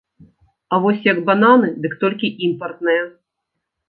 А вось як бананы, дык толькі імпартныя.